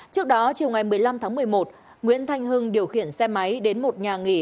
trước đó chiều ngày một mươi năm tháng một mươi một nguyễn thanh hưng điều khiển xe máy đến một nhà nghỉ